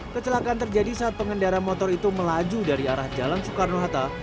kecelakaan terjadi saat pengendara motor itu melaju dari arah jalan soekarno hatta